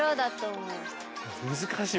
難しい。